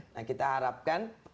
nah kita harapkan